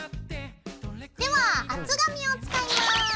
では厚紙を使います。